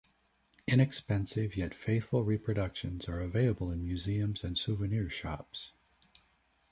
Inexpensive yet faithful reproductions are available in museums and souvenir shops.